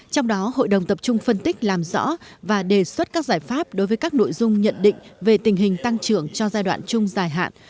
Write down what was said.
trong đó hội đồng tập trung phân tích làm rõ và đề xuất các giải pháp đối với các nội dung nhận định về tình hình tăng trưởng cho giai đoạn chung dài hạn